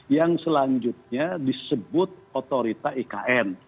yang selanjutnya disebut otorita ikn